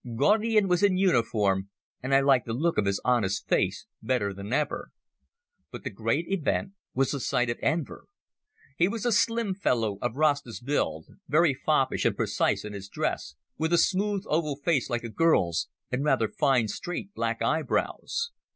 Gaudian was in uniform, and I liked the look of his honest face better than ever. But the great event was the sight of Enver. He was a slim fellow of Rasta's build, very foppish and precise in his dress, with a smooth oval face like a girl's, and rather fine straight black eyebrows.